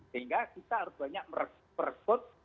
sehingga kita harus banyak merekrut